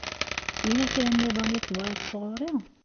Yella kra nniḍen i tebɣiḍ sɣur-i?